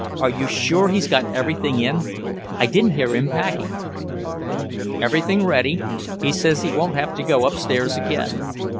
Are you sure he's got everything in? I didn't hear him packing." "Everything ready. He says he won't have to go upstairs again.